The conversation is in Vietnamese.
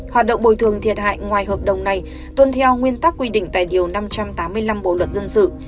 hoạt động bồi thường thiệt hại ngoài hợp đồng này tuân theo nguyên tắc quy định tại điều năm trăm tám mươi năm bộ luật dân sự